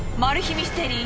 ミステリー